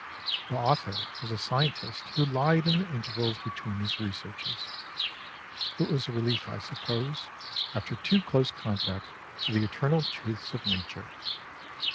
The author was a scientist who lied in the intervals between his researches. It was a relief, I suppose, after too close contact with the eternal truths of Nature.